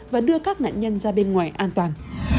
và đưa các nạn nhân ra bên ngoài an toàn